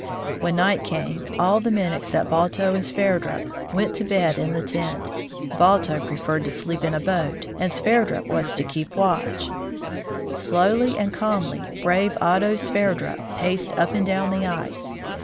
When night came, all the men, except Balto and Sver drup, went to bed in the tent ; Balto preferred to sleep in a boat, and Sverdrup was to keep watch. Slowly and calmly, brave Otto Sverdrup paced up and down the ice.